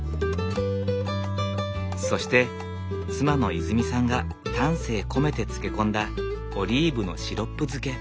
そして妻のいづみさんが丹精込めて漬け込んだオリーブのシロップ漬け。